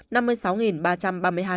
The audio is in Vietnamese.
năm mươi sáu ba trăm linh cây cầu được xử lý